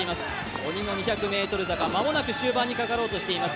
鬼の２００ｍ坂、間もなく終盤にかかろうとしています。